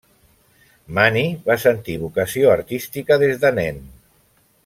Mani va sentir vocació artística des de nen.